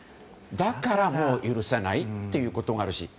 だから許せないということがあるし